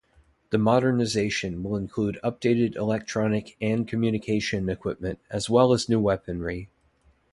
The modernization will include updated electronic and communication equipment as well as new weaponry.